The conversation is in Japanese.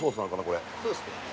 これそうっすね